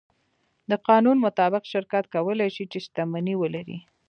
د قانون مطابق شرکت کولی شي، چې شتمنۍ ولري.